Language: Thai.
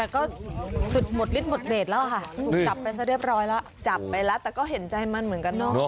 ก็สุดหมดริตหมดเลสแล้วอ่ะค่ะจับไปแล้วแต่ก็เห็นใจมั่นเหมือนกันน่ะ